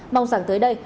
mong rằng tới đây